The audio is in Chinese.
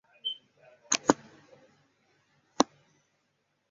粮食安全指的是能够稳定地让所有人取得足够食物的状态。